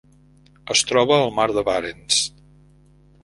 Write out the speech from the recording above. Es troba al mar de Barentsz.